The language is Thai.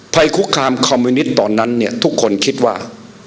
ภัยคุกขามคอมมูนิสต์ตอนนั้นทุกคนคิดว่า